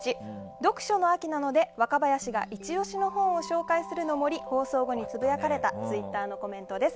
読書の秋なので若林がイチオシの本を紹介するの森放送後につぶやかれたツイッターのコメントです。